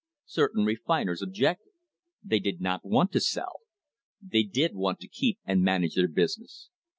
Cer tain refiners objected. They did not want to sell. They did want to keep and manage their business.